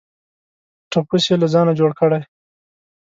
ټپوس یې له ځانه جوړ کړی.